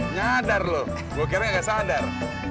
nyadar lu gue kira gak sadar